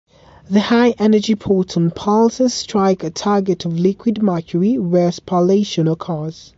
The high-energy proton pulses strike a target of liquid mercury, where spallation occurs.